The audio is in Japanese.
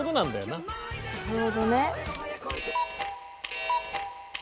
なるほどね。